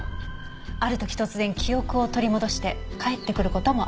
ある時突然記憶を取り戻して帰ってくる事もある。